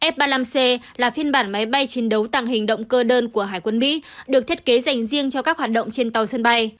f ba mươi năm c là phiên bản máy bay chiến đấu tàng hình động cơ đơn của hải quân mỹ được thiết kế dành riêng cho các hoạt động trên tàu sân bay